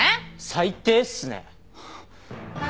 最低っすね。